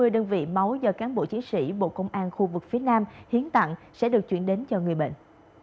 hai trăm năm mươi đơn vị máu do cán bộ chỉ sĩ bộ công an khu vực phía nam hiến tặng sẽ được chuyển đến cho người bệnh